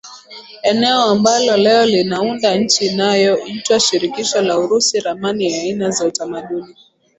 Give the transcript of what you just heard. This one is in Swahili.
eneo ambalo leo linaunda nchi inayoitwa Shirikisho la UrusiRamani ya aina za utamaduni